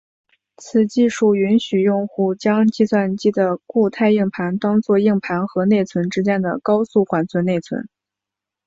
此技术允许用户将计算机的固态硬盘当做硬盘和内存之间的高速缓存内存。